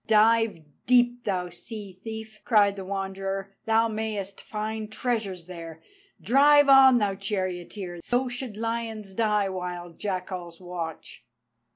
"Dive deep, thou sea thief!" cried the Wanderer, "thou mayest find treasures there! Drive on, thou charioteer, so should lions die while jackals watch."